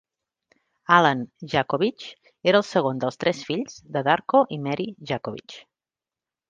Allen Jakovich era el segon dels tres fills de Darko i Mary Jakovich.